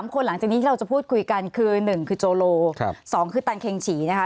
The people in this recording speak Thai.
๓คนหลังจากนี้ที่เราจะพูดคุยกันคือ๑คือโจโล๒คือตันเค็งฉีนะคะ